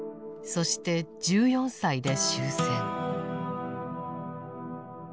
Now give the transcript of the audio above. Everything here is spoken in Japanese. そして１４歳で終戦。